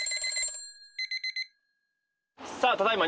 さあただいま